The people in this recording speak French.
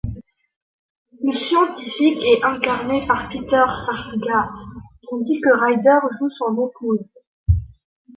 Le scientifique est incarné par Peter Sarsgaard, tandis que Ryder joue son épouse.